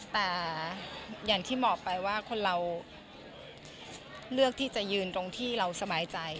แต่อย่างที่บอกไปว่าคนเราเลือกที่จะยืนตรงที่เราสบายใจ